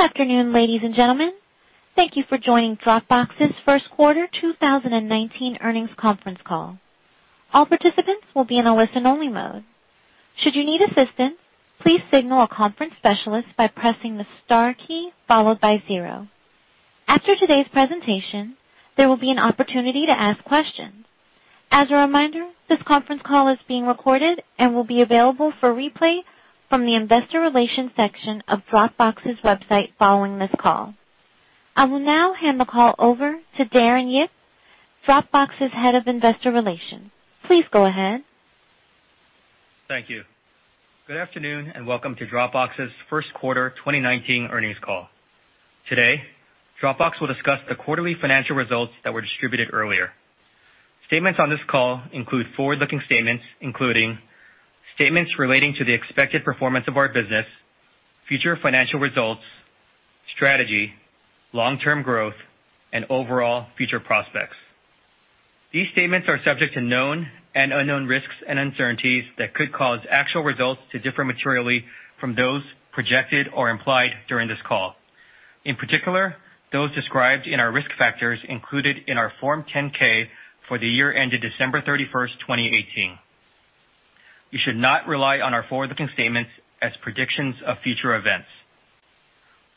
Good afternoon, ladies and gentlemen. Thank you for joining Dropbox's first quarter 2019 earnings conference call. All participants will be in a listen-only mode. Should you need assistance, please signal a conference specialist by pressing the star key followed by zero. After today's presentation, there will be an opportunity to ask questions. As a reminder, this conference call is being recorded and will be available for replay from the investor relations section of Dropbox's website following this call. I will now hand the call over to Darren Yip, Dropbox's Head of Investor Relations. Please go ahead. Thank you. Good afternoon, welcome to Dropbox's first quarter 2019 earnings call. Today, Dropbox will discuss the quarterly financial results that were distributed earlier. Statements on this call include forward-looking statements, including statements relating to the expected performance of our business, future financial results, strategy, long-term growth, and overall future prospects. These statements are subject to known and unknown risks and uncertainties that could cause actual results to differ materially from those projected or implied during this call. In particular, those described in our risk factors included in our Form 10-K for the year ended December 31st, 2018. You should not rely on our forward-looking statements as predictions of future events.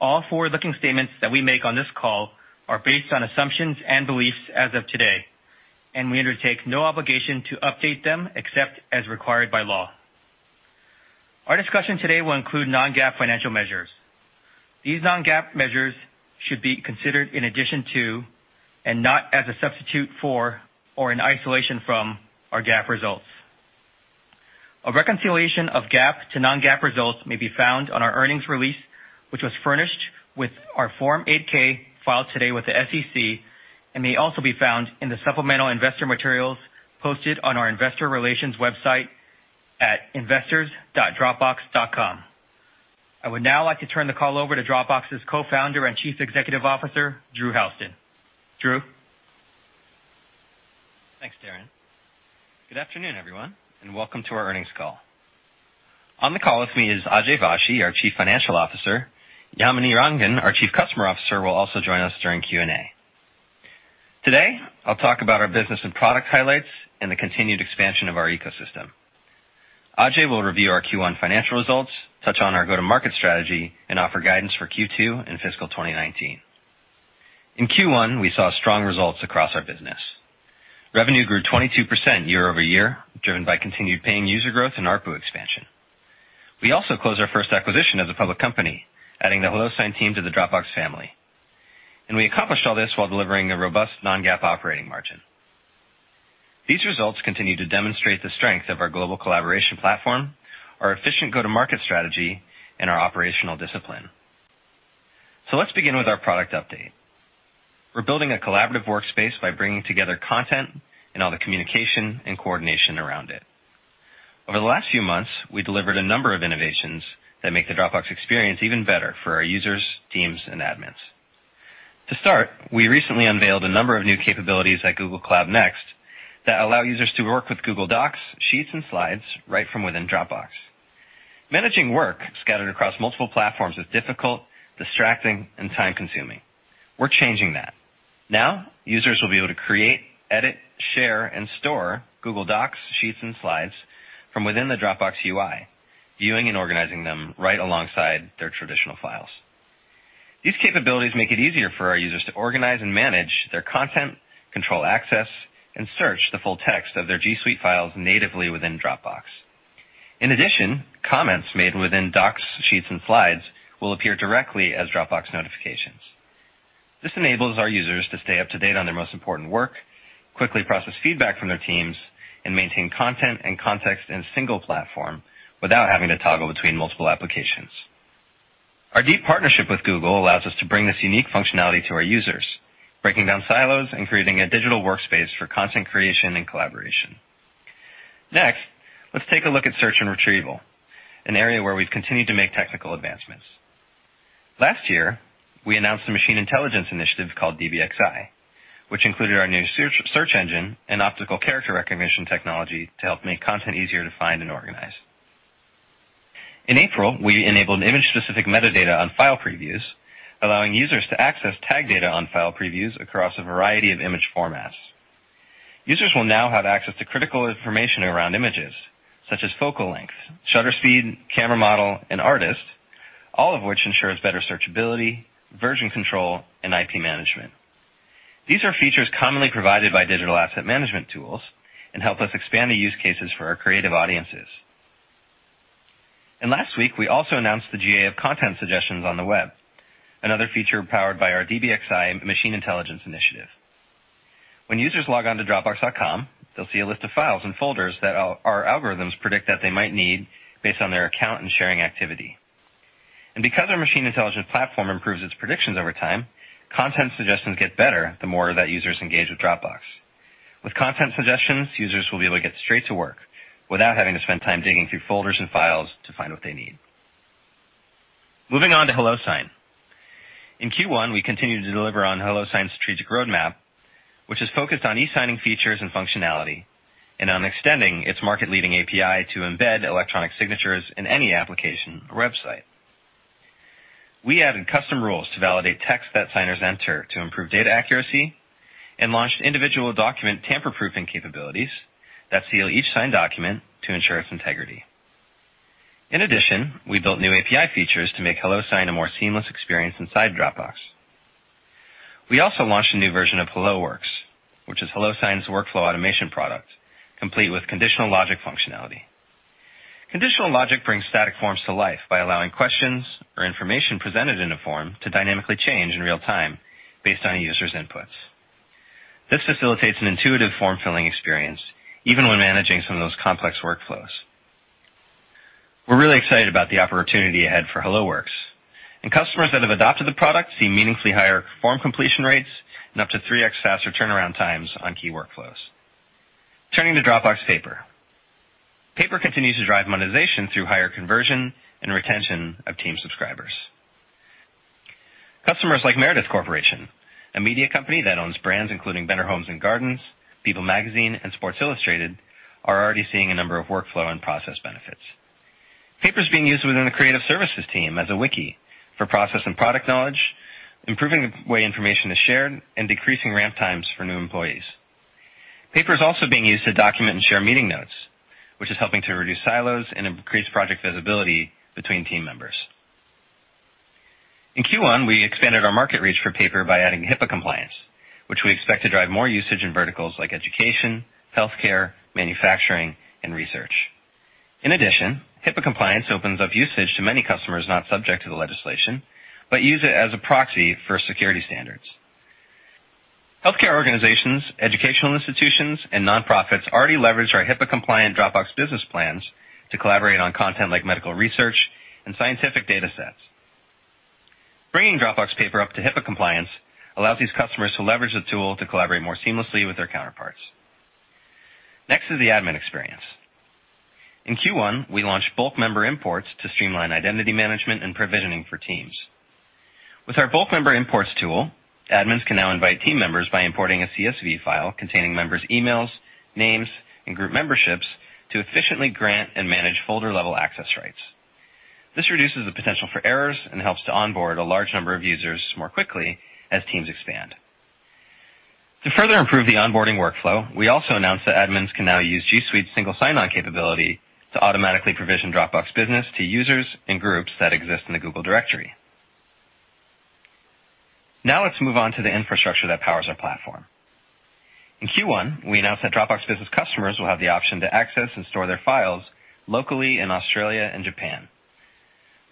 All forward-looking statements that we make on this call are based on assumptions and beliefs as of today, we undertake no obligation to update them except as required by law. Our discussion today will include non-GAAP financial measures. These non-GAAP measures should be considered in addition to, and not as a substitute for or in isolation from, our GAAP results. A reconciliation of GAAP to non-GAAP results may be found on our earnings release, which was furnished with our Form 8-K filed today with the SEC and may also be found in the supplemental investor materials posted on our investor relations website at investors.dropbox.com. I would now like to turn the call over to Dropbox's Co-Founder and Chief Executive Officer, Drew Houston. Drew? Thanks, Darren. Good afternoon, everyone, welcome to our earnings call. On the call with me is Ajay Vashee, our Chief Financial Officer. Yamini Rangan, our Chief Customer Officer, will also join us during Q&A. Today, I'll talk about our business and product highlights, the continued expansion of our ecosystem. Ajay will review our Q1 financial results, touch on our go-to-market strategy, and offer guidance for Q2 in fiscal 2019. In Q1, we saw strong results across our business. Revenue grew 22% year-over-year, driven by continued paying user growth and ARPU expansion. We also closed our first acquisition as a public company, adding the HelloSign team to the Dropbox family. We accomplished all this while delivering a robust non-GAAP operating margin. These results continue to demonstrate the strength of our global collaboration platform, our efficient go-to-market strategy, our operational discipline. Let's begin with our product update. We're building a collaborative workspace by bringing together content and all the communication and coordination around it. Over the last few months, we delivered a number of innovations that make the Dropbox experience even better for our users, teams, and admins. To start, we recently unveiled a number of new capabilities at Google Cloud Next that allow users to work with Google Docs, Sheets, and Slides right from within Dropbox. Managing work scattered across multiple platforms is difficult, distracting, and time-consuming. We're changing that. Now, users will be able to create, edit, share, and store Google Docs, Sheets, and Slides from within the Dropbox UI, viewing and organizing them right alongside their traditional files. These capabilities make it easier for our users to organize and manage their content, control access, and search the full text of their G Suite files natively within Dropbox. In addition, comments made within Docs, Sheets, and Slides will appear directly as Dropbox notifications. This enables our users to stay up to date on their most important work, quickly process feedback from their teams, and maintain content and context in a single platform without having to toggle between multiple applications. Our deep partnership with Google allows us to bring this unique functionality to our users, breaking down silos and creating a digital workspace for content creation and collaboration. Let's take a look at search and retrieval, an area where we've continued to make technical advancements. Last year, we announced a machine intelligence initiative called DBXI, which included our new search engine and optical character recognition technology to help make content easier to find and organize. In April, we enabled image-specific metadata on file previews, allowing users to access tag data on file previews across a variety of image formats. Users will now have access to critical information around images, such as focal length, shutter speed, camera model, and artist, all of which ensures better searchability, version control, and IP management. These are features commonly provided by digital asset management tools and help us expand the use cases for our creative audiences. Last week, we also announced the GA of content suggestions on the web, another feature powered by our DBXI machine intelligence initiative. When users log on to dropbox.com, they'll see a list of files and folders that our algorithms predict that they might need based on their account and sharing activity. Because our machine intelligence platform improves its predictions over time, content suggestions get better the more that users engage with Dropbox. With content suggestions, users will be able to get straight to work without having to spend time digging through folders and files to find what they need. Moving on to HelloSign. In Q1, we continued to deliver on HelloSign's strategic roadmap, which is focused on e-signing features and functionality, and on extending its market-leading API to embed electronic signatures in any application or website. We added custom rules to validate texts that signers enter to improve data accuracy, and launched individual document tamper-proofing capabilities that seal each signed document to ensure its integrity. In addition, we built new API features to make HelloSign a more seamless experience inside Dropbox. We also launched a new version of HelloWorks, which is HelloSign's workflow automation product, complete with conditional logic functionality. Conditional logic brings static forms to life by allowing questions or information presented in a form to dynamically change in real time based on a user's inputs. This facilitates an intuitive form-filling experience, even when managing some of those complex workflows. We're really excited about the opportunity ahead for HelloWorks. Customers that have adopted the product see meaningfully higher form completion rates and up to 3x faster turnaround times on key workflows. Turning to Dropbox Paper. Paper continues to drive monetization through higher conversion and retention of team subscribers. Customers like Meredith Corporation, a media company that owns brands including Better Homes & Gardens, People Magazine, and Sports Illustrated, are already seeing a number of workflow and process benefits. Paper's being used within the creative services team as a wiki for process and product knowledge, improving the way information is shared, and decreasing ramp times for new employees. Paper is also being used to document and share meeting notes, which is helping to reduce silos and increase project visibility between team members. In Q1, we expanded our market reach for Paper by adding HIPAA compliance, which we expect to drive more usage in verticals like education, healthcare, manufacturing, and research. In addition, HIPAA compliance opens up usage to many customers not subject to the legislation, but use it as a proxy for security standards. Healthcare organizations, educational institutions, and nonprofits already leverage our HIPAA-compliant Dropbox Business plans to collaborate on content like medical research and scientific data sets. Bringing Dropbox Paper up to HIPAA compliance allows these customers to leverage the tool to collaborate more seamlessly with their counterparts. Next is the admin experience. In Q1, we launched bulk member imports to streamline identity management and provisioning for teams. With our bulk member imports tool, admins can now invite team members by importing a CSV file containing members' emails, names, and group memberships to efficiently grant and manage folder-level access rights. This reduces the potential for errors and helps to onboard a large number of users more quickly as teams expand. To further improve the onboarding workflow, we also announced that admins can now use G Suite's single sign-on capability to automatically provision Dropbox Business to users and groups that exist in the Google directory. Let's move on to the infrastructure that powers our platform. In Q1, we announced that Dropbox Business customers will have the option to access and store their files locally in Australia and Japan.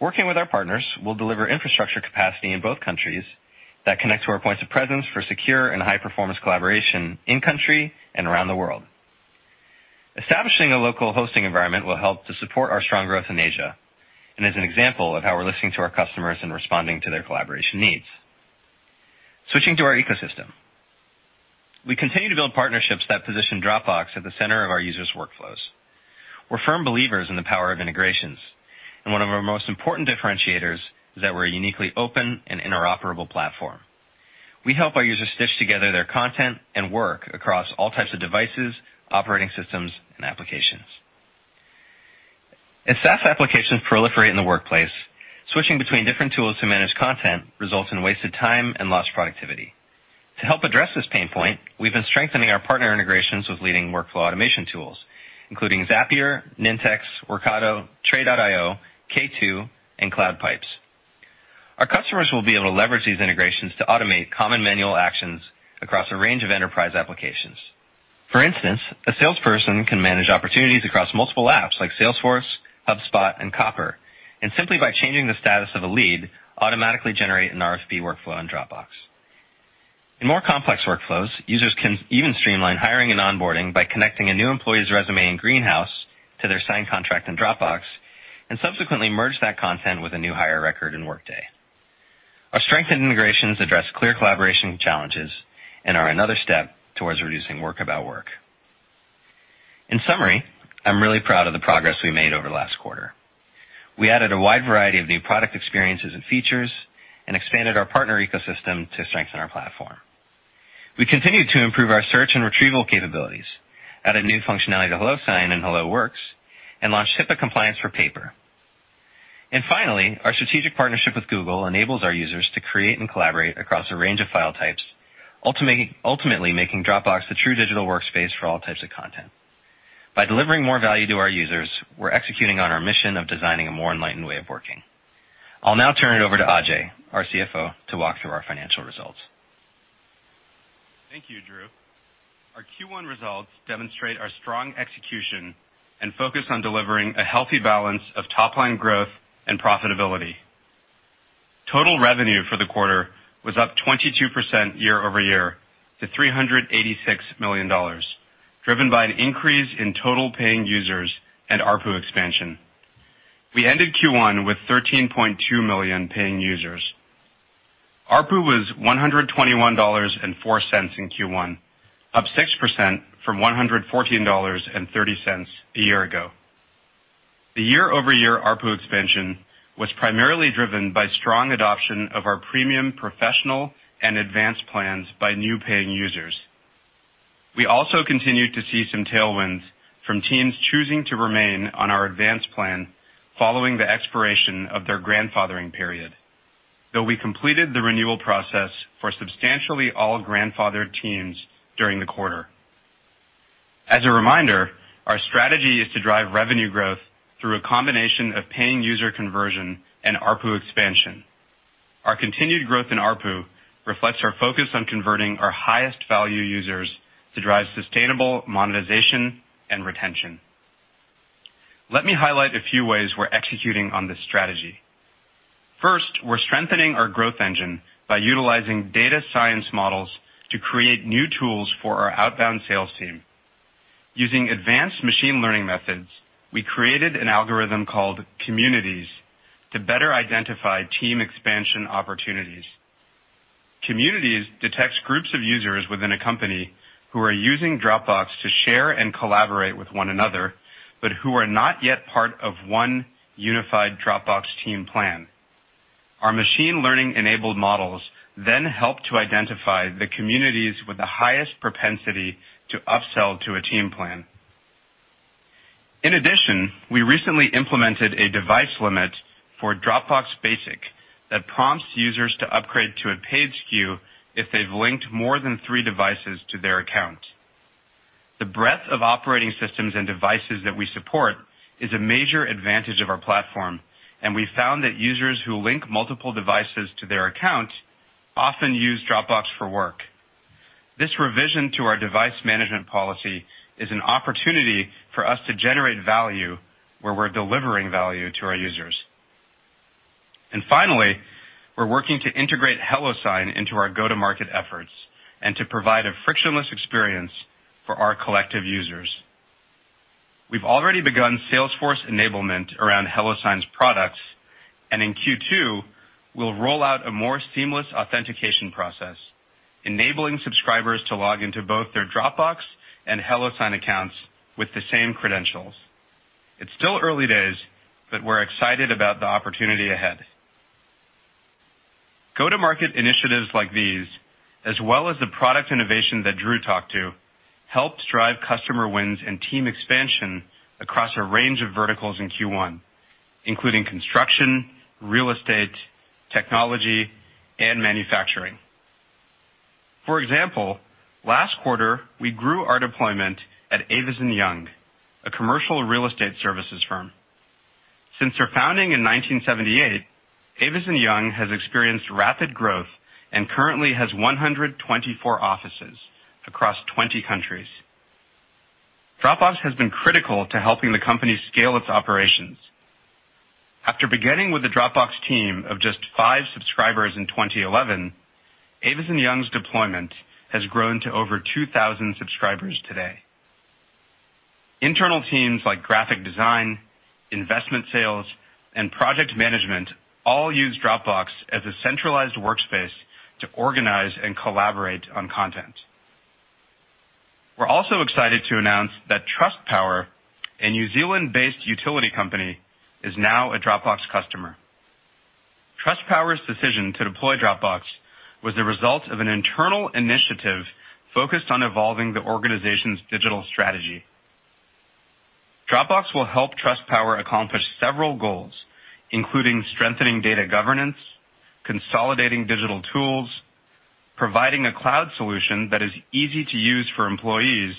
Working with our partners, we'll deliver infrastructure capacity in both countries that connect to our points of presence for secure and high-performance collaboration in country and around the world. Establishing a local hosting environment will help to support our strong growth in Asia and is an example of how we're listening to our customers and responding to their collaboration needs. Switching to our ecosystem. We continue to build partnerships that position Dropbox at the center of our users' workflows. We're firm believers in the power of integrations. One of our most important differentiators is that we're a uniquely open and interoperable platform. We help our users stitch together their content and work across all types of devices, operating systems, and applications. As SaaS applications proliferate in the workplace, switching between different tools to manage content results in wasted time and lost productivity. To help address this pain point, we've been strengthening our partner integrations with leading workflow automation tools, including Zapier, Nintex, Workato, Tray.io, K2, and Cloudpipes. Our customers will be able to leverage these integrations to automate common manual actions across a range of enterprise applications. For instance, a salesperson can manage opportunities across multiple apps like Salesforce, HubSpot, and Copper, and simply by changing the status of a lead, automatically generate an RFP workflow on Dropbox. In more complex workflows, users can even streamline hiring and onboarding by connecting a new employee's resume in Greenhouse to their signed contract in Dropbox, and subsequently merge that content with a new hire record in Workday. Our strengthened integrations address clear collaboration challenges and are another step towards reducing work about work. In summary, I'm really proud of the progress we made over the last quarter. We added a wide variety of new product experiences and features and expanded our partner ecosystem to strengthen our platform. We continued to improve our search and retrieval capabilities, added new functionality to HelloSign and HelloWorks, and launched HIPAA compliance for Paper. Finally, our strategic partnership with Google enables our users to create and collaborate across a range of file types, ultimately making Dropbox the true digital workspace for all types of content. By delivering more value to our users, we're executing on our mission of designing a more enlightened way of working. I'll now turn it over to Ajay, our CFO, to walk through our financial results. Thank you, Drew. Our Q1 results demonstrate our strong execution and focus on delivering a healthy balance of top-line growth and profitability. Total revenue for the quarter was up 22% year-over-year to $386 million, driven by an increase in total paying users and ARPU expansion. We ended Q1 with 13.2 million paying users. ARPU was $121.04 in Q1, up 6% from $114.30 a year ago. The year-over-year ARPU expansion was primarily driven by strong adoption of our premium professional and Advanced plans by new paying users. We also continued to see some tailwinds from teams choosing to remain on our Advanced plan following the expiration of their grandfathering period, though we completed the renewal process for substantially all grandfathered teams during the quarter. As a reminder, our strategy is to drive revenue growth through a combination of paying user conversion and ARPU expansion. Our continued growth in ARPU reflects our focus on converting our highest value users to drive sustainable monetization and retention. Let me highlight a few ways we're executing on this strategy. First, we're strengthening our growth engine by utilizing data science models to create new tools for our outbound sales team. Using advanced machine learning methods, we created an algorithm called Communities to better identify team expansion opportunities. Communities detects groups of users within a company who are using Dropbox to share and collaborate with one another, but who are not yet part of one unified Dropbox team plan. In addition, we recently implemented a device limit for Dropbox Basic that prompts users to upgrade to a paid SKU if they've linked more than three devices to their account. The breadth of operating systems and devices that we support is a major advantage of our platform. We found that users who link multiple devices to their account often use Dropbox for work. This revision to our device management policy is an opportunity for us to generate value where we're delivering value to our users. Finally, we're working to integrate HelloSign into our go-to-market efforts and to provide a frictionless experience for our collective users. We've already begun Salesforce enablement around HelloSign's products. In Q2, we'll roll out a more seamless authentication process, enabling subscribers to log into both their Dropbox and HelloSign accounts with the same credentials. It's still early days, but we're excited about the opportunity ahead. Go-to-market initiatives like these, as well as the product innovation that Drew talked to, helped drive customer wins and team expansion across a range of verticals in Q1, including construction, real estate, technology, and manufacturing. For example, last quarter, we grew our deployment at Avison Young, a commercial real estate services firm. Since their founding in 1978, Avison Young has experienced rapid growth and currently has 124 offices across 20 countries. Dropbox has been critical to helping the company scale its operations. After beginning with a Dropbox team of just five subscribers in 2011, Avison Young's deployment has grown to over 2,000 subscribers today. Internal teams like graphic design, investment sales, and project management all use Dropbox as a centralized workspace to organize and collaborate on content. We're also excited to announce that Trustpower, a New Zealand-based utility company, is now a Dropbox customer. Trustpower's decision to deploy Dropbox was the result of an internal initiative focused on evolving the organization's digital strategy. Dropbox will help Trustpower accomplish several goals, including strengthening data governance, consolidating digital tools, providing a cloud solution that is easy to use for employees,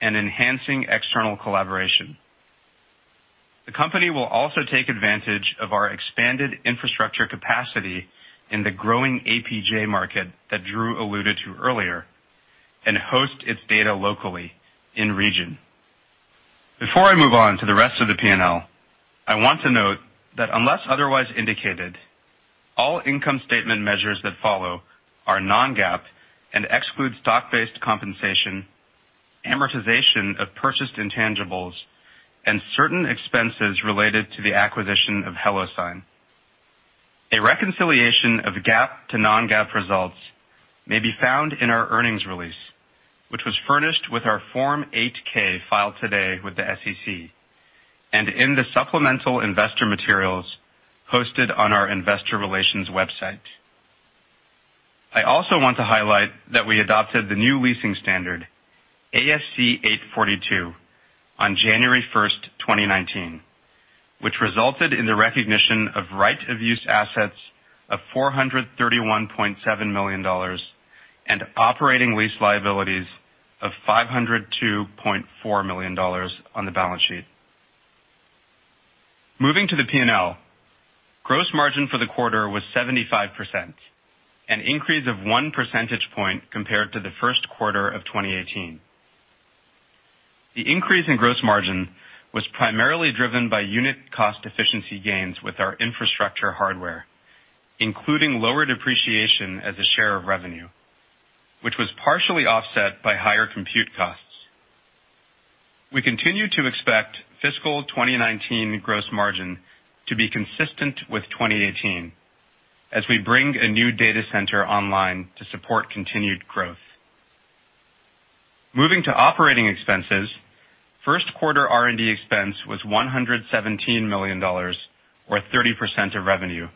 and enhancing external collaboration. The company will also take advantage of our expanded infrastructure capacity in the growing APJ market that Drew alluded to earlier and host its data locally in region. Before I move on to the rest of the P&L, I want to note that unless otherwise indicated, all income statement measures that follow are non-GAAP and exclude stock-based compensation, amortization of purchased intangibles, and certain expenses related to the acquisition of HelloSign. A reconciliation of GAAP to non-GAAP results may be found in our earnings release, which was furnished with our Form 8-K filed today with the SEC and in the supplemental investor materials hosted on our investor relations website. I also want to highlight that we adopted the new leasing standard, ASC 842, on January 1st, 2019, which resulted in the recognition of right-of-use assets of $431.7 million and operating lease liabilities of $502.4 million on the balance sheet. Moving to the P&L, gross margin for the quarter was 75%, an increase of one percentage point compared to the first quarter of 2018. The increase in gross margin was primarily driven by unit cost efficiency gains with our infrastructure hardware, including lower depreciation as a share of revenue, which was partially offset by higher compute costs. We continue to expect fiscal 2019 gross margin to be consistent with 2018 as we bring a new data center online to support continued growth. Moving to operating expenses, first quarter R&D expense was $117 million, or 30% of revenue,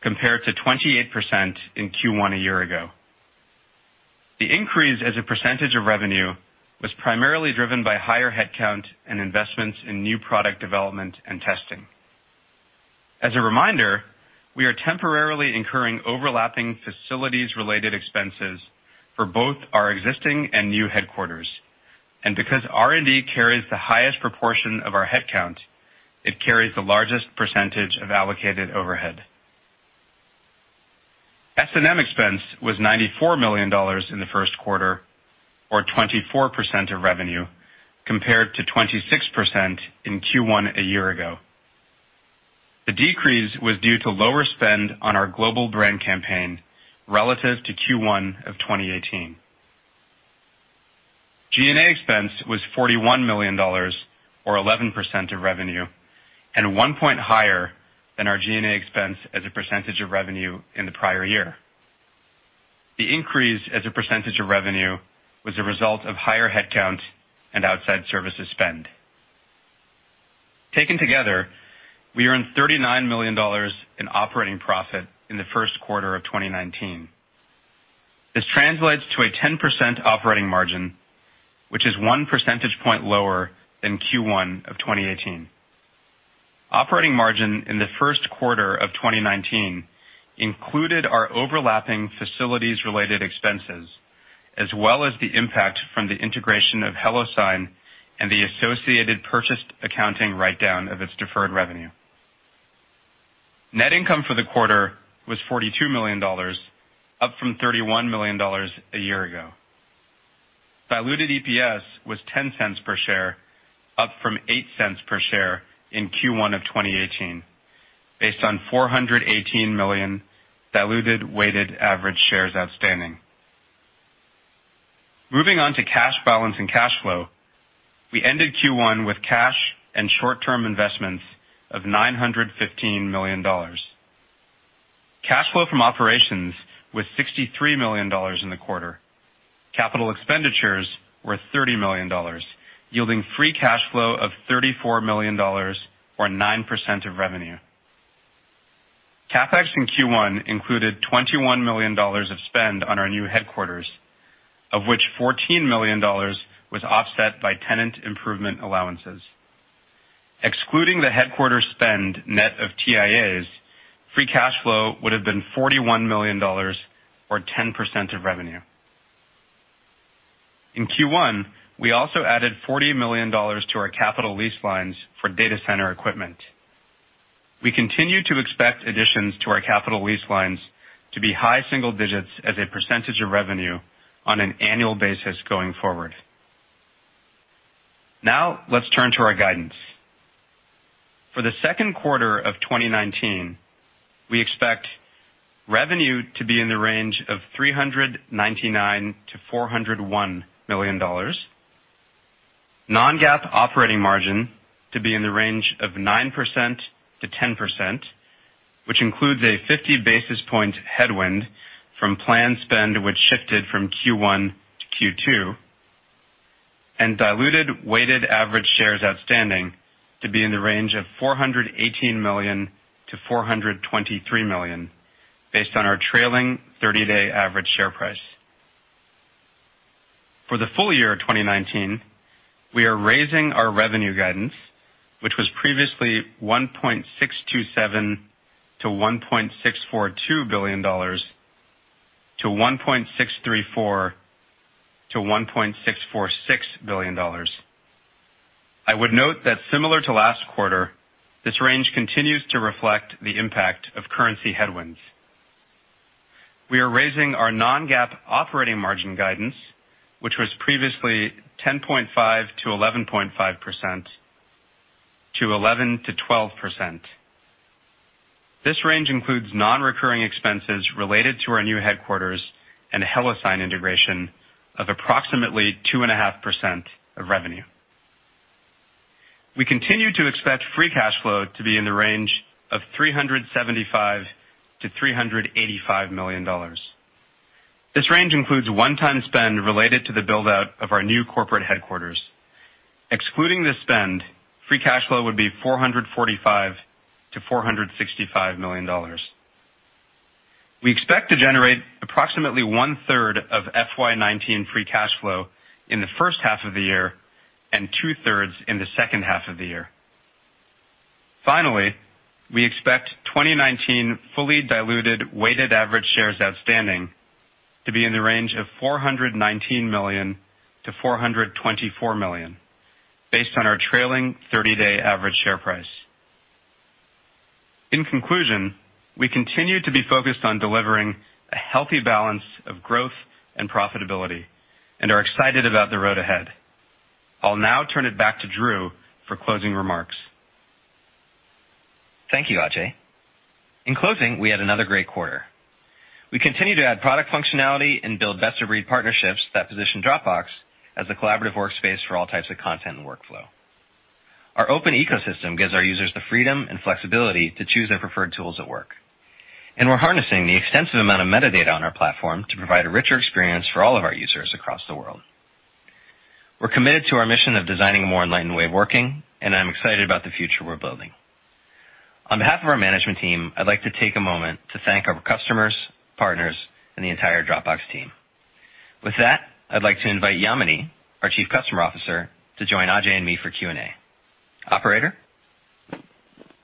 compared to 28% in Q1 a year ago. The increase as a percentage of revenue was primarily driven by higher headcount and investments in new product development and testing. As a reminder, we are temporarily incurring overlapping facilities related expenses for both our existing and new headquarters, because R&D carries the highest proportion of our headcount, it carries the largest percentage of allocated overhead. S&M expense was $94 million in the first quarter, or 24% of revenue, compared to 26% in Q1 a year ago. The decrease was due to lower spend on our global brand campaign relative to Q1 of 2018. G&A expense was $41 million, or 11% of revenue, and one point higher than our G&A expense as a percentage of revenue in the prior year. The increase as a percentage of revenue was a result of higher headcount and outside services spend. Taken together, we earned $39 million in operating profit in the first quarter of 2019. This translates to a 10% operating margin, which is one percentage point lower than Q1 of 2018. Operating margin in the first quarter of 2019 included our overlapping facilities related expenses, as well as the impact from the integration of HelloSign and the associated purchased accounting write-down of its deferred revenue. Net income for the quarter was $42 million, up from $31 million a year ago. Diluted EPS was $0.10 per share, up from $0.08 per share in Q1 of 2018, based on 418 million diluted weighted average shares outstanding. Moving on to cash balance and cash flow, we ended Q1 with cash and short-term investments of $915 million. Cash flow from operations was $63 million in the quarter. Capital expenditures were $30 million, yielding free cash flow of $34 million, or 9% of revenue. CapEx in Q1 included $21 million of spend on our new headquarters, of which $14 million was offset by tenant improvement allowances. Excluding the headquarter spend net of TIAs, free cash flow would've been $41 million, or 10% of revenue. In Q1, we also added $40 million to our capital lease lines for data center equipment. We continue to expect additions to our capital lease lines to be high single digits as a percentage of revenue on an annual basis going forward. Now, let's turn to our guidance. For the second quarter of 2019, we expect revenue to be in the range of $399 million-$401 million, non-GAAP operating margin to be in the range of 9%-10%, which includes a 50 basis point headwind from planned spend, which shifted from Q1 to Q2, and diluted weighted average shares outstanding to be in the range of 418 million-423 million based on our trailing 30-day average share price. For the full year of 2019, we are raising our revenue guidance, which was previously $1.627 billion-$1.642 billion, to $1.634 billion-$1.646 billion. I would note that similar to last quarter, this range continues to reflect the impact of currency headwinds. We are raising our non-GAAP operating margin guidance, which was previously 10.5%-11.5%, to 11%-12%. This range includes non-recurring expenses related to our new headquarters and HelloSign integration of approximately 2.5% of revenue. We continue to expect free cash flow to be in the range of $375 million-$385 million. This range includes a one-time spend related to the build-out of our new corporate headquarters. Excluding the spend, free cash flow would be $445 million-$465 million. We expect to generate approximately one-third of FY 2019 free cash flow in the first half of the year and two-thirds in the second half of the year. Finally, we expect 2019 fully diluted weighted average shares outstanding to be in the range of 419 million-424 million based on our trailing 30-day average share price. In conclusion, we continue to be focused on delivering a healthy balance of growth and profitability and are excited about the road ahead. I'll now turn it back to Drew for closing remarks. Thank you, Ajay. In closing, we had another great quarter. We continue to add product functionality and build best-of-breed partnerships that position Dropbox as the collaborative workspace for all types of content and workflow. Our open ecosystem gives our users the freedom and flexibility to choose their preferred tools at work. We're harnessing the extensive amount of metadata on our platform to provide a richer experience for all of our users across the world. We're committed to our mission of designing a more enlightened way of working, I'm excited about the future we're building. On behalf of our management team, I'd like to take a moment to thank our customers, partners, and the entire Dropbox team. With that, I'd like to invite Yamini, our Chief Customer Officer, to join Ajay and me for Q&A. Operator?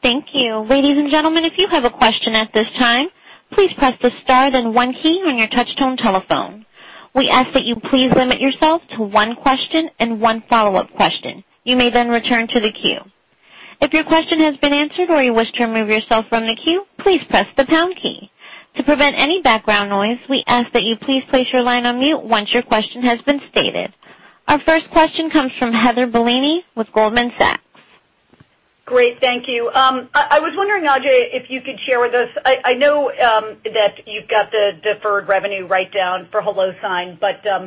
Thank you. Ladies and gentlemen, if you have a question at this time, please press the star then one key on your touch tone telephone. We ask that you please limit yourself to one question and one follow-up question. You may then return to the queue. If your question has been answered or you wish to remove yourself from the queue, please press the pound key. To prevent any background noise, we ask that you please place your line on mute once your question has been stated. Our first question comes from Heather Bellini with Goldman Sachs. Great. Thank you. I was wondering, Ajay, if you could share with us. I know that you've got the deferred revenue write-down for HelloSign,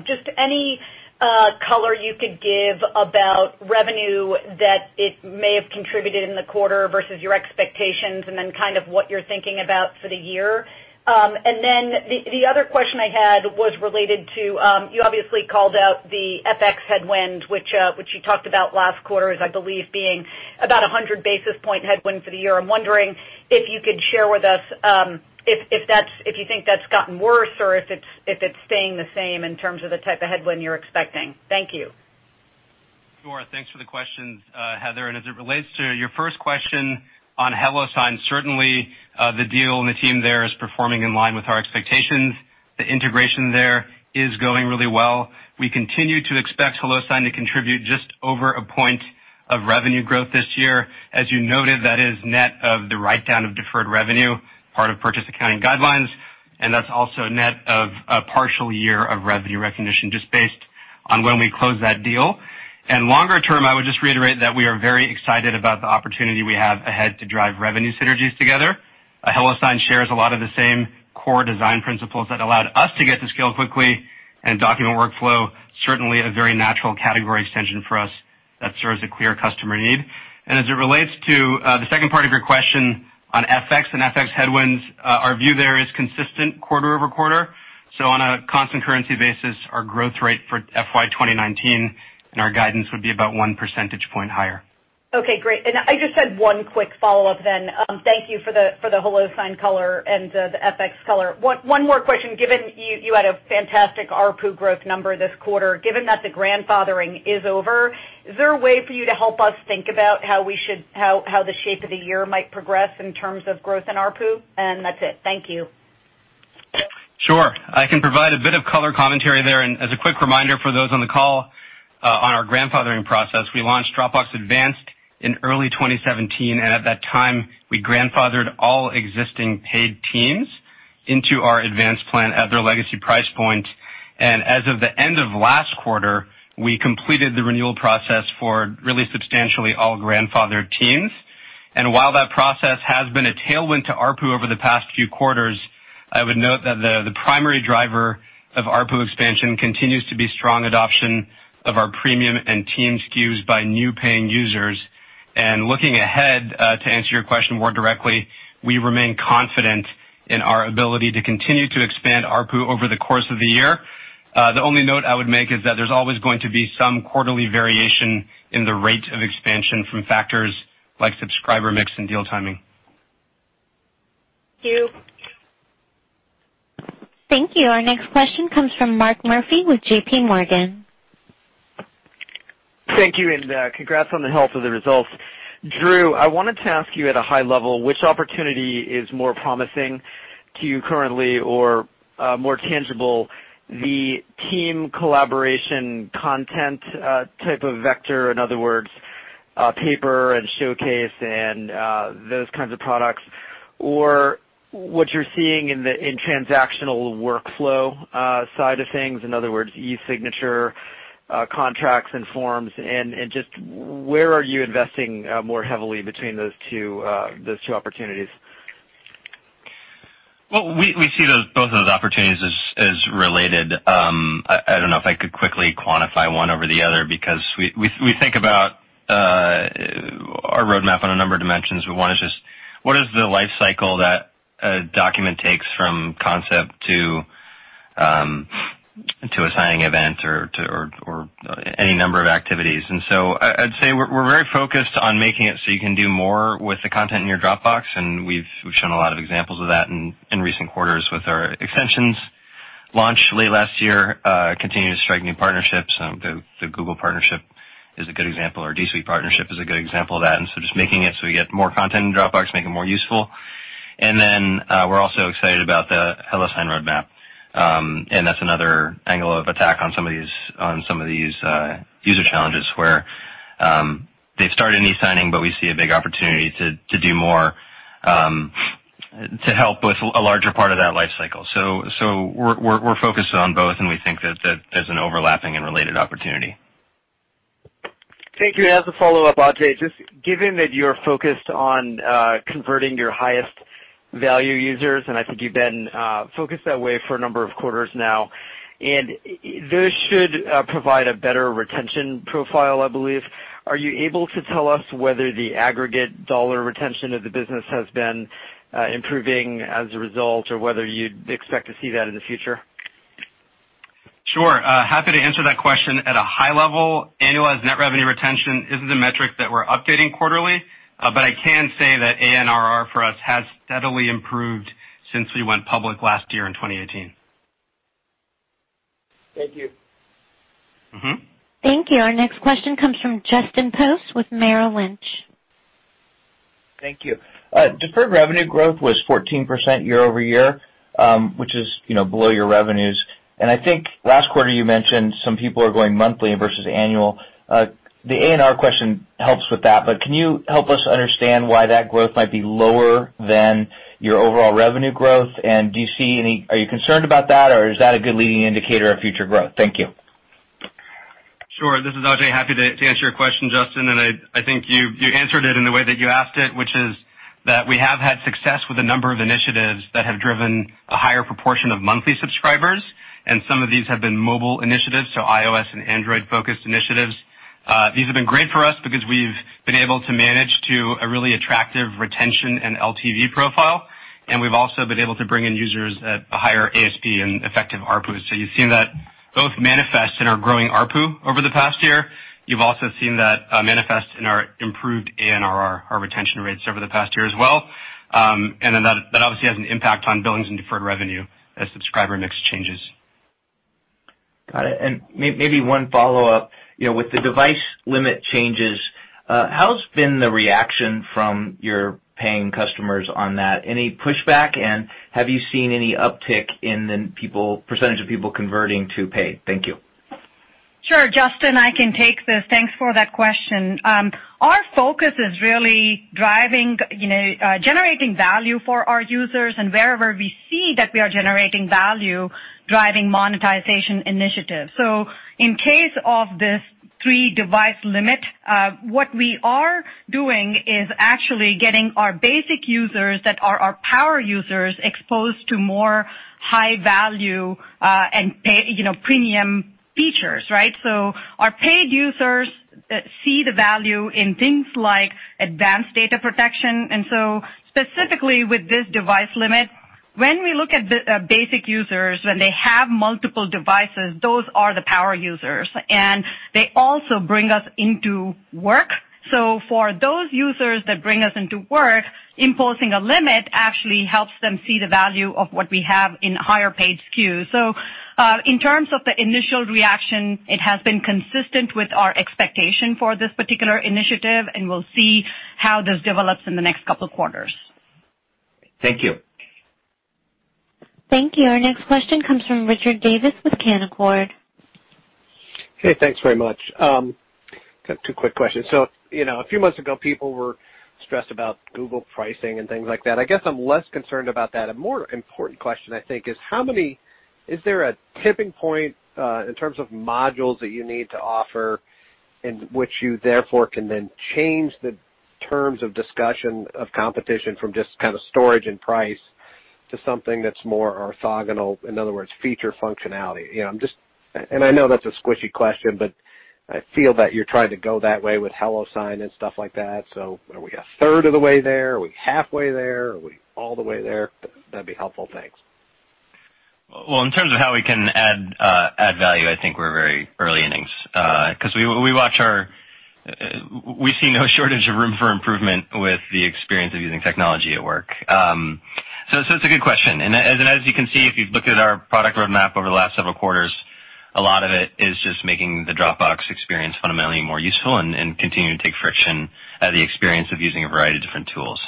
just any color you could give about revenue that it may have contributed in the quarter versus your expectations, then kind of what you're thinking about for the year. The other question I had was related to, you obviously called out the FX headwind, which you talked about last quarter as, I believe, being about 100 basis point headwind for the year. I'm wondering if you could share with us if you think that's gotten worse or if it's staying the same in terms of the type of headwind you're expecting. Thank you. Sure. Thanks for the questions, Heather. As it relates to your first question on HelloSign, certainly the deal and the team there is performing in line with our expectations. The integration there is going really well. We continue to expect HelloSign to contribute just over one point of revenue growth this year. As you noted, that is net of the write-down of deferred revenue, part of purchase accounting guidelines. That's also net of a partial year of revenue recognition just based on when we closed that deal. Longer term, I would just reiterate that we are very excited about the opportunity we have ahead to drive revenue synergies together. HelloSign shares a lot of the same core design principles that allowed us to get to scale quickly. Document workflow, certainly a very natural category extension for us that serves a clear customer need. As it relates to the second part of your question on FX and FX headwinds, our view there is consistent quarter-over-quarter. On a constant currency basis, our growth rate for FY 2019 and our guidance would be about one percentage point higher. Okay, great. I just had one quick follow-up then. Thank you for the HelloSign color and the FX color. One more question, given you had a fantastic ARPU growth number this quarter, given that the grandfathering is over, is there a way for you to help us think about how the shape of the year might progress in terms of growth in ARPU? That's it. Thank you. Sure. I can provide a bit of color commentary there. As a quick reminder for those on the call, on our grandfathering process, we launched Dropbox Advanced in early 2017. At that time, we grandfathered all existing paid teams into our Advanced plan at their legacy price point. As of the end of last quarter, we completed the renewal process for really substantially all grandfathered teams. While that process has been a tailwind to ARPU over the past few quarters, I would note that the primary driver of ARPU expansion continues to be strong adoption of our premium and team SKUs by new paying users. Looking ahead, to answer your question more directly, we remain confident in our ability to continue to expand ARPU over the course of the year. The only note I would make is that there's always going to be some quarterly variation in the rate of expansion from factors like subscriber mix and deal timing. Thank you. Thank you. Our next question comes from Mark Murphy with JPMorgan. Thank you. Congrats on the health of the results. Drew, I wanted to ask you at a high level, which opportunity is more promising to you currently or more tangible, the team collaboration content type of vector, in other words, Paper and showcase and those kinds of products, or what you're seeing in transactional workflow side of things, in other words, e-signature, contracts and forms. Just where are you investing more heavily between those two opportunities? Well, we see both of those opportunities as related. I don't know if I could quickly quantify one over the other because we think about our roadmap on a number of dimensions. One is just, what is the life cycle that a document takes from concept to a signing event or any number of activities. I'd say we're very focused on making it so you can do more with the content in your Dropbox, and we've shown a lot of examples of that in recent quarters with our extensions launch late last year, continue to strike new partnerships. The Google partnership is a good example. Our G Suite partnership is a good example of that. Just making it so we get more content in Dropbox, make it more useful. We're also excited about the HelloSign roadmap, and that's another angle of attack on some of these user challenges, where they've started an e-signing, but we see a big opportunity to do more to help with a larger part of that life cycle. We're focused on both, and we think that there's an overlapping and related opportunity. Thank you. As a follow-up, Ajay, just given that you're focused on converting your highest value users, and I think you've been focused that way for a number of quarters now, and this should provide a better retention profile, I believe. Are you able to tell us whether the aggregate dollar retention of the business has been improving as a result, or whether you'd expect to see that in the future? Sure. Happy to answer that question. At a high level, annualized net revenue retention isn't a metric that we're updating quarterly, but I can say that ANRR for us has steadily improved since we went public last year in 2018. Thank you. Thank you. Our next question comes from Justin Post with Merrill Lynch. Thank you. Deferred revenue growth was 14% year-over-year, which is below your revenues. I think last quarter you mentioned some people are going monthly versus annual. The ANRR question helps with that, but can you help us understand why that growth might be lower than your overall revenue growth? Are you concerned about that, or is that a good leading indicator of future growth? Thank you. Sure. This is Ajay. Happy to answer your question, Justin, I think you answered it in the way that you asked it, which is that we have had success with a number of initiatives that have driven a higher proportion of monthly subscribers, some of these have been mobile initiatives, so iOS and Android-focused initiatives. These have been great for us because we've been able to manage to a really attractive retention and LTV profile, we've also been able to bring in users at a higher ASP and effective ARPU. You've seen that both manifest in our growing ARPU over the past year. You've also seen that manifest in our improved ANRR, our retention rates over the past year as well. That obviously has an impact on billings and deferred revenue as subscriber mix changes. Got it. Maybe one follow-up. With the device limit changes, how's been the reaction from your paying customers on that? Any pushback, have you seen any uptick in the percentage of people converting to paid? Thank you. Sure, Justin, I can take this. Thanks for that question. Our focus is really generating value for our users, wherever we see that we are generating value, driving monetization initiatives. In case of this three-device limit, what we are doing is actually getting our basic users that are our power users exposed to more high value, premium features, right? Our paid users see the value in things like advanced data protection. Specifically with this device limit, when we look at basic users, when they have multiple devices, those are the power users. They also bring us into work. For those users that bring us into work, imposing a limit actually helps them see the value of what we have in higher paid SKUs. In terms of the initial reaction, it has been consistent with our expectation for this particular initiative, we'll see how this develops in the next couple of quarters. Thank you. Thank you. Our next question comes from Richard Davis with Canaccord. Hey, thanks very much. Got two quick questions. A few months ago, people were stressed about Google pricing and things like that. I guess I'm less concerned about that. A more important question, I think, is there a tipping point, in terms of modules that you need to offer, in which you therefore can then change the terms of discussion of competition from just kind of storage and price to something that's more orthogonal, in other words, feature functionality? I know that's a squishy question, but I feel that you're trying to go that way with HelloSign and stuff like that. Are we a third of the way there? Are we halfway there? Are we all the way there? That'd be helpful. Thanks. Well, in terms of how we can add value, I think we're very early innings. We see no shortage of room for improvement with the experience of using technology at work. It's a good question, and as you can see, if you've looked at our product roadmap over the last several quarters, a lot of it is just making the Dropbox experience fundamentally more useful and continuing to take friction out of the experience of using a variety of different tools.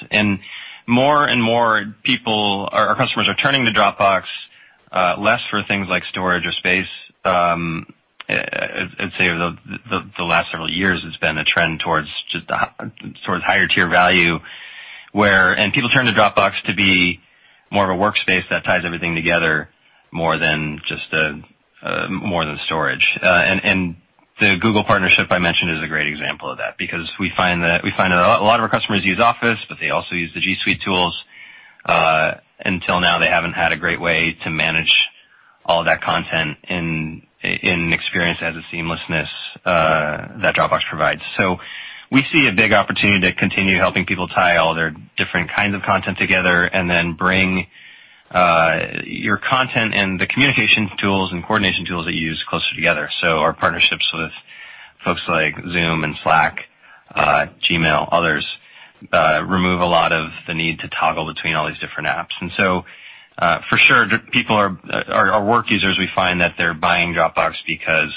More and more people, our customers are turning to Dropbox, less for things like storage or space. I'd say the last several years it's been a trend towards higher tier value, and people turn to Dropbox to be more of a workspace that ties everything together more than storage. The Google partnership I mentioned is a great example of that, because we find that a lot of our customers use Office, but they also use the G Suite tools. Until now, they haven't had a great way to manage all that content and experience as a seamlessness that Dropbox provides. We see a big opportunity to continue helping people tie all their different kinds of content together and then bring your content and the communication tools and coordination tools that you use closer together. Our partnerships with folks like Zoom and Slack, Gmail, others, remove a lot of the need to toggle between all these different apps. For sure, our work users, we find that they're buying Dropbox because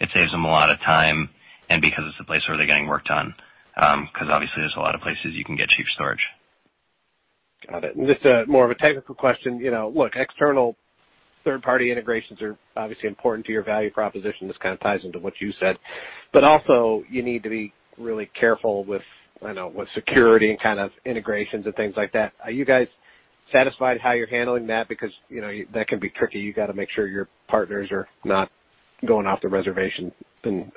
it saves them a lot of time and because it's the place where they're getting work done. Obviously there's a lot of places you can get cheap storage. Got it. Just more of a technical question. Look, external third-party integrations are obviously important to your value proposition. This kind of ties into what you said. Also you need to be really careful with security and integrations and things like that. Are you guys satisfied how you're handling that? That can be tricky. You got to make sure your partners are not Going off the reservation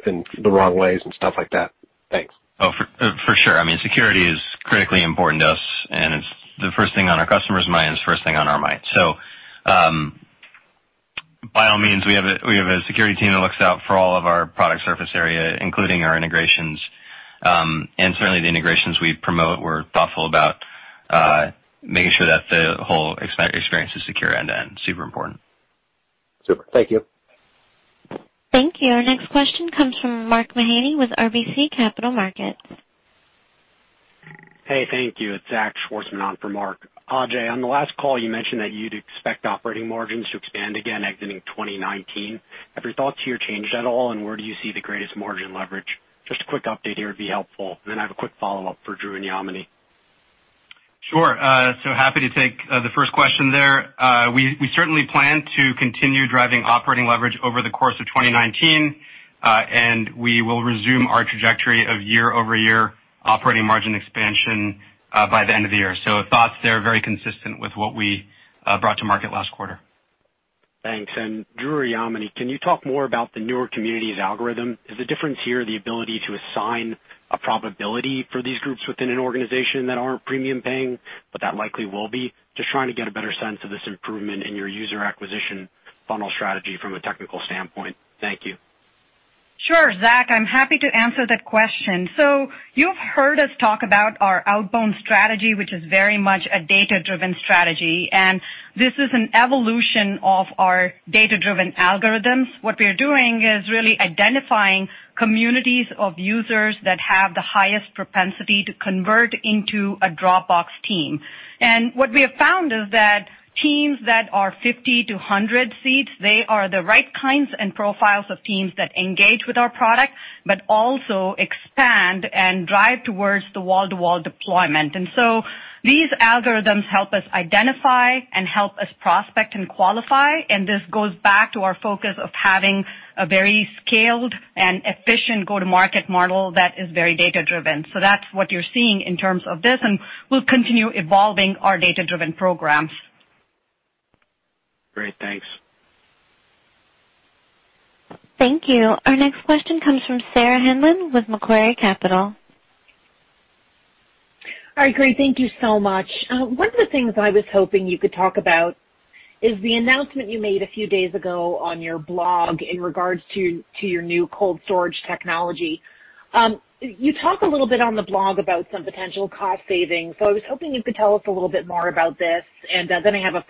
in the wrong ways and stuff like that. Thanks. Oh, for sure. I mean, security is critically important to us, and it's the first thing on our customers' minds, first thing on our minds. By all means, we have a security team that looks out for all of our product surface area, including our integrations. Certainly, the integrations we promote, we're thoughtful about making sure that the whole experience is secure end-to-end, super important. Super. Thank you. Thank you. Our next question comes from Mark Mahaney with RBC Capital Markets. Hey, thank you. It's Zachary Schwartzman on for Mark. Ajay, on the last call, you mentioned that you'd expect operating margins to expand again exiting 2019. Have your thoughts here changed at all, and where do you see the greatest margin leverage? Just a quick update here would be helpful. Then I have a quick follow-up for Drew and Yamini. Sure. Happy to take the first question there. We certainly plan to continue driving operating leverage over the course of 2019. We will resume our trajectory of year-over-year operating margin expansion by the end of the year. Thoughts there are very consistent with what we brought to market last quarter. Thanks. Drew or Yamini, can you talk more about the newer Communities algorithm? Is the difference here the ability to assign a probability for these groups within an organization that aren't premium paying, but that likely will be? Just trying to get a better sense of this improvement in your user acquisition funnel strategy from a technical standpoint. Thank you. Sure, Zach, I'm happy to answer that question. You've heard us talk about our outbound strategy, which is very much a data-driven strategy, and this is an evolution of our data-driven algorithms. What we are doing is really identifying Communities of users that have the highest propensity to convert into a Dropbox team. What we have found is that teams that are 50 to 100 seats, they are the right kinds and profiles of teams that engage with our product, but also expand and drive towards the wall-to-wall deployment. These algorithms help us identify and help us prospect and qualify, and this goes back to our focus of having a very scaled and efficient go-to-market model that is very data-driven. That's what you're seeing in terms of this, and we'll continue evolving our data-driven programs. Great, thanks. Thank you. Our next question comes from Sarah Hindlian-Bowler with Macquarie Capital. All right, great. Thank you so much. One of the things I was hoping you could talk about is the announcement you made a few days ago on your blog in regards to your new cold storage technology. You talk a little bit on the blog about some potential cost savings. I was hoping you could tell us a little bit more about this. I have a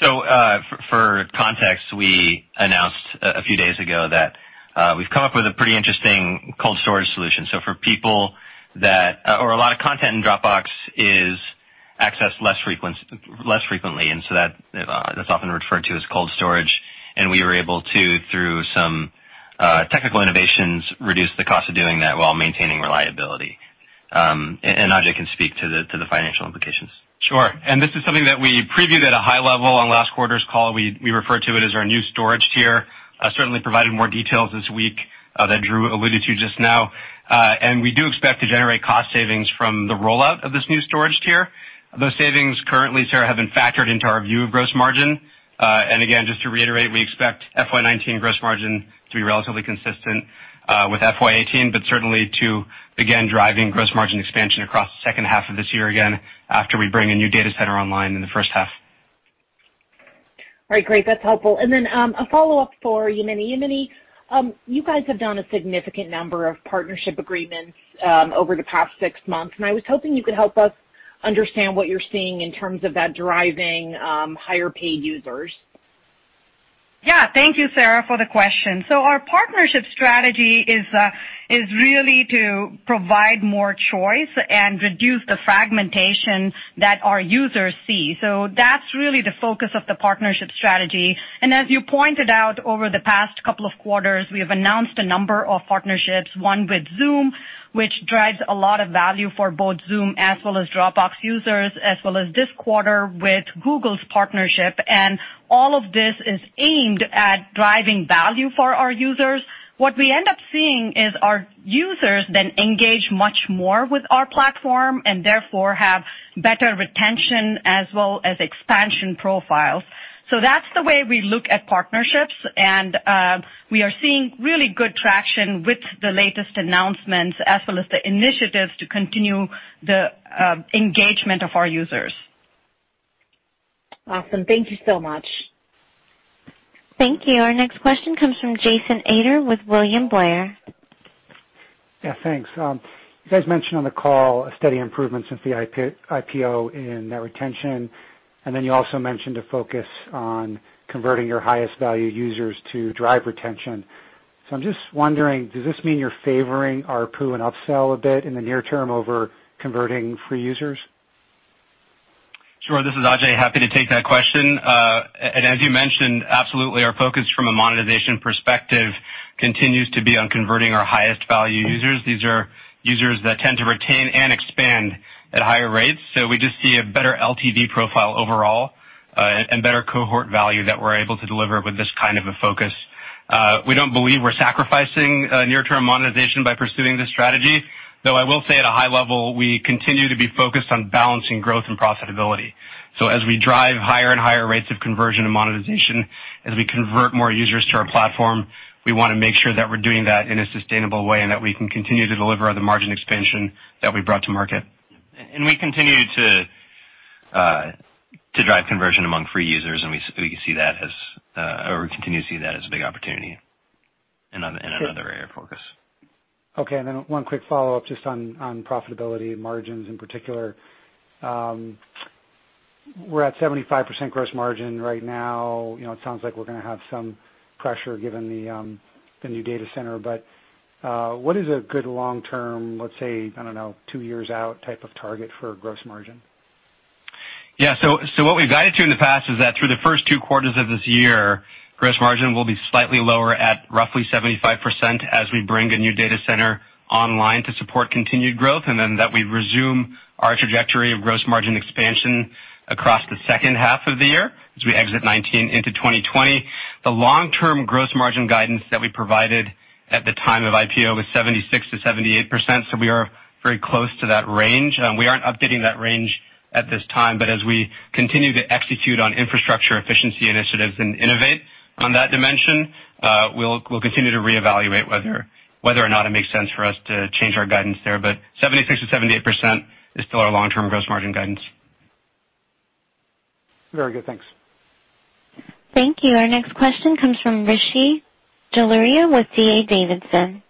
follow-up. For context, we announced a few days ago that we've come up with a pretty interesting cold storage solution. A lot of content in Dropbox is accessed less frequently, that's often referred to as cold storage. We were able to, through some technical innovations, reduce the cost of doing that while maintaining reliability. Ajay can speak to the financial implications. Sure. This is something that we previewed at a high level on last quarter's call. We referred to it as our new storage tier. Certainly provided more details this week that Drew alluded to just now. We do expect to generate cost savings from the rollout of this new storage tier. Those savings currently, Sarah, have been factored into our view of gross margin. Again, just to reiterate, we expect FY 2019 gross margin to be relatively consistent with FY 2018, but certainly to begin driving gross margin expansion across the second half of this year again, after we bring a new data center online in the first half. All right, great. That's helpful. Then, a follow-up for Yamini. Yamini, you guys have done a significant number of partnership agreements over the past six months, I was hoping you could help us understand what you're seeing in terms of that driving higher paid users. Yeah. Thank you, Sarah, for the question. Our partnership strategy is really to provide more choice and reduce the fragmentation that our users see. That's really the focus of the partnership strategy. As you pointed out over the past couple of quarters, we have announced a number of partnerships, one with Zoom, which drives a lot of value for both Zoom as well as Dropbox users, as well as this quarter with Google's partnership, and all of this is aimed at driving value for our users. What we end up seeing is our users then engage much more with our platform and therefore have better retention as well as expansion profiles. That's the way we look at partnerships, and we are seeing really good traction with the latest announcements as well as the initiatives to continue the engagement of our users. Awesome. Thank you so much. Thank you. Our next question comes from Jason Ader with William Blair. Yeah, thanks. You guys mentioned on the call a steady improvement since the IPO in net retention, and then you also mentioned a focus on converting your highest value users to drive retention. I'm just wondering, does this mean you're favoring ARPU and upsell a bit in the near term over converting free users? Sure. This is Ajay. Happy to take that question. As you mentioned, absolutely, our focus from a monetization perspective continues to be on converting our highest value users. These are users that tend to retain and expand at higher rates. We just see a better LTV profile overall, and better cohort value that we're able to deliver with this kind of a focus. We don't believe we're sacrificing near-term monetization by pursuing this strategy, though I will say at a high level, we continue to be focused on balancing growth and profitability. As we drive higher and higher rates of conversion and monetization, as we convert more users to our platform, we want to make sure that we're doing that in a sustainable way and that we can continue to deliver the margin expansion that we've brought to market. We continue to drive conversion among free users, and we continue to see that as a big opportunity, another area of focus. Okay, one quick follow-up just on profitability and margins in particular. We're at 75% gross margin right now. It sounds like we're going to have some pressure given the new data center, what is a good long-term, let's say, I don't know, two years out type of target for gross margin? Yeah. What we've guided to in the past is that through the first two quarters of this year, gross margin will be slightly lower at roughly 75% as we bring the new data center online to support continued growth, and then that we resume our trajectory of gross margin expansion across the second half of the year as we exit 2019 into 2020. The long-term gross margin guidance that we provided at the time of IPO was 76%-78%. We are very close to that range. We aren't updating that range at this time, but as we continue to execute on infrastructure efficiency initiatives and innovate on that dimension, we'll continue to reevaluate whether or not it makes sense for us to change our guidance there. 76%-78% is still our long-term gross margin guidance. Very good. Thanks. Thank you. Our next question comes from Rishi Jaluria with D.A. Davidson.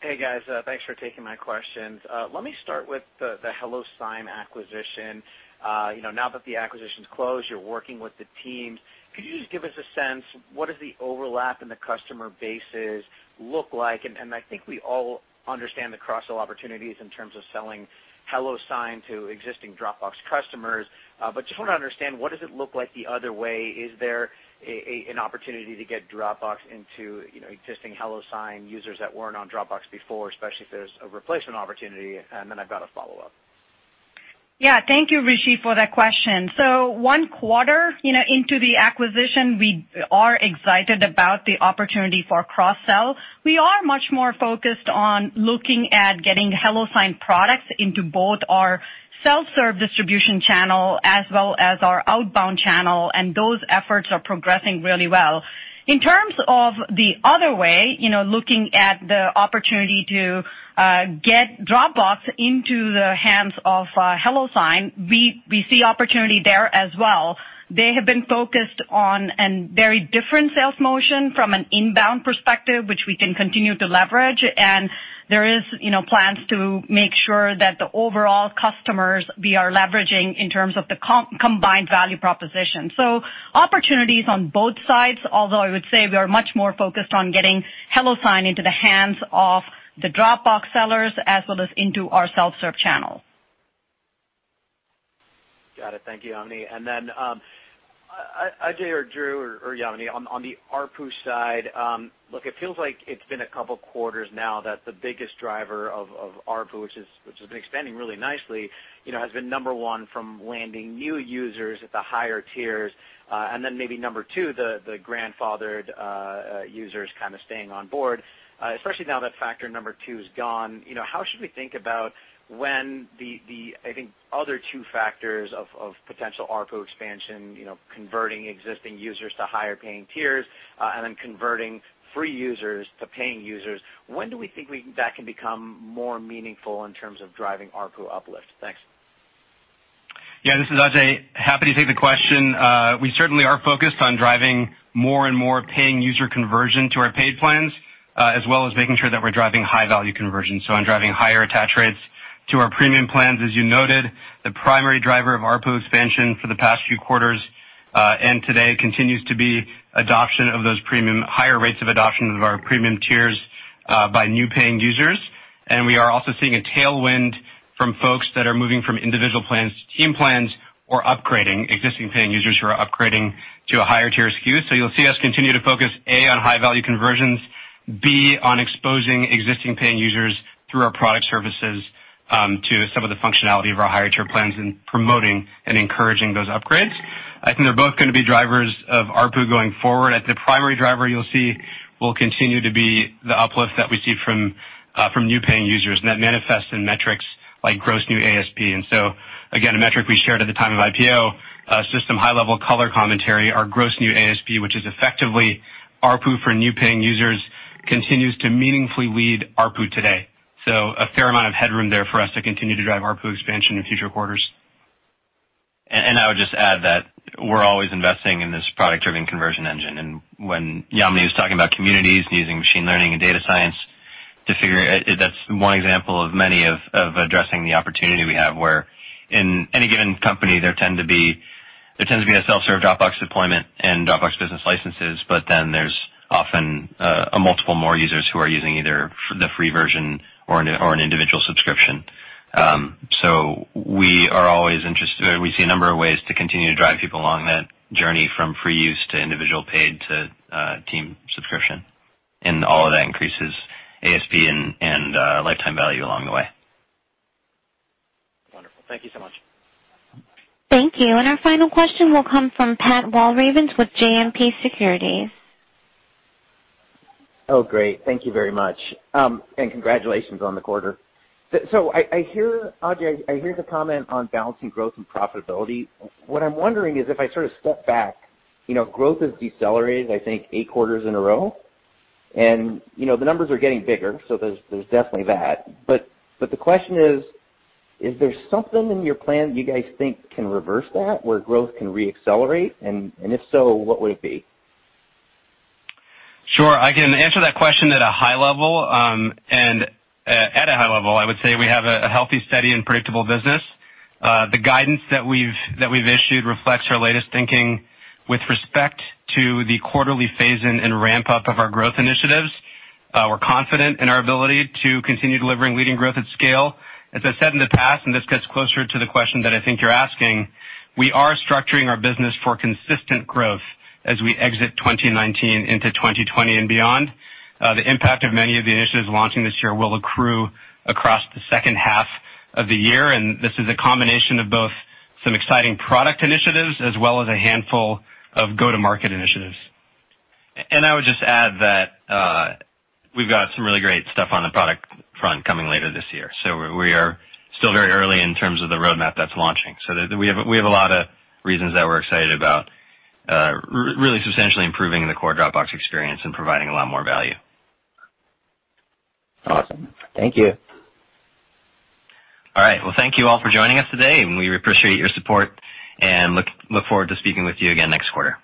Hey, guys. Thanks for taking my questions. Let me start with the HelloSign acquisition. Now that the acquisition's closed, you're working with the teams. Could you just give us a sense, what does the overlap in the customer bases look like? I think we all understand the cross-sell opportunities in terms of selling HelloSign to existing Dropbox customers. Just want to understand, what does it look like the other way? Is there an opportunity to get Dropbox into existing HelloSign users that weren't on Dropbox before, especially if there's a replacement opportunity, and then I've got a follow-up. Thank you, Rishi, for that question. One quarter into the acquisition, we are excited about the opportunity for cross-sell. We are much more focused on looking at getting HelloSign products into both our self-serve distribution channel as well as our outbound channel, and those efforts are progressing really well. In terms of the other way, looking at the opportunity to get Dropbox into the hands of HelloSign, we see opportunity there as well. They have been focused on a very different sales motion from an inbound perspective, which we can continue to leverage. There is plans to make sure that the overall customers we are leveraging in terms of the combined value proposition. Opportunities on both sides, although I would say we are much more focused on getting HelloSign into the hands of the Dropbox sellers as well as into our self-serve channel. Got it. Thank you, Yamini. Ajay or Drew or Yamini, on the ARPU side, look, it feels like it's been a couple of quarters now that the biggest driver of ARPU, which has been expanding really nicely, has been, number 1, from landing new users at the higher tiers. Maybe number 2, the grandfathered users kind of staying on board. Especially now that factor number 2 is gone, how should we think about when the other two factors of potential ARPU expansion, converting existing users to higher paying tiers, converting free users to paying users, when do we think that can become more meaningful in terms of driving ARPU uplift? Thanks. This is Ajay. Happy to take the question. We certainly are focused on driving more and more paying user conversion to our paid plans, as well as making sure that we're driving high-value conversion, so on driving higher attach rates to our premium plans. As you noted, the primary driver of ARPU expansion for the past few quarters, and today continues to be higher rates of adoption of our premium tiers by new paying users. We are also seeing a tailwind from folks that are moving from individual plans to team plans or existing paying users who are upgrading to a higher tier SKU. You'll see us continue to focus, A, on high-value conversions, B, on exposing existing paying users through our product services to some of the functionality of our higher tier plans and promoting and encouraging those upgrades. I think they're both going to be drivers of ARPU going forward. The primary driver you'll see will continue to be the uplift that we see from new paying users, and that manifests in metrics like gross new ASP. Again, a metric we shared at the time of IPO, system high level color commentary, our gross new ASP, which is effectively ARPU for new paying users, continues to meaningfully lead ARPU today. A fair amount of headroom there for us to continue to drive ARPU expansion in future quarters. I would just add that we're always investing in this product-driven conversion engine. When Yamini was talking about Communities and using machine learning and data science to figure, that's one example of many of addressing the opportunity we have, where in any given company, there tends to be a self-serve Dropbox deployment and Dropbox Business licenses, there's often a multiple more users who are using either the free version or an individual subscription. We see a number of ways to continue to drive people along that journey from free use to individual paid to team subscription. All of that increases ASP and lifetime value along the way. Thank you so much. Thank you. Our final question will come from Patrick Walravens with JMP Securities. Great. Thank you very much. Congratulations on the quarter. Ajay, I hear the comment on balancing growth and profitability. What I'm wondering is, if I sort of step back, growth has decelerated, I think, eight quarters in a row, the numbers are getting bigger, there's definitely that. The question is there something in your plan that you guys think can reverse that, where growth can re-accelerate? If so, what would it be? Sure. I can answer that question at a high level. I would say we have a healthy, steady, and predictable business. The guidance that we've issued reflects our latest thinking with respect to the quarterly phase-in and ramp-up of our growth initiatives. We're confident in our ability to continue delivering leading growth at scale. As I've said in the past, this gets closer to the question that I think you're asking, we are structuring our business for consistent growth as we exit 2019 into 2020 and beyond. The impact of many of the initiatives launching this year will accrue across the second half of the year, this is a combination of both some exciting product initiatives as well as a handful of go-to-market initiatives. I would just add that we've got some really great stuff on the product front coming later this year. We are still very early in terms of the roadmap that's launching. We have a lot of reasons that we're excited about really substantially improving the core Dropbox experience and providing a lot more value. Awesome. Thank you. All right. Well, thank you all for joining us today, we appreciate your support and look forward to speaking with you again next quarter.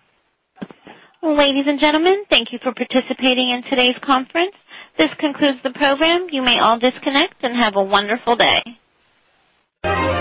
Ladies and gentlemen, thank you for participating in today's conference. This concludes the program. You may all disconnect and have a wonderful day.